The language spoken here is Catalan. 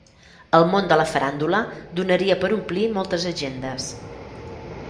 El món de la faràndula donaria per omplir moltes agendes.